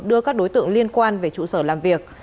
đưa các đối tượng liên quan về trụ sở làm việc